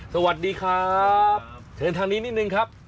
สวัสดีครับเชิญทางนี้นิดนึงครับ